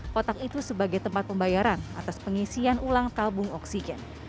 kotak itu sebagai tempat pembayaran atas pengisian ulang tabung oksigen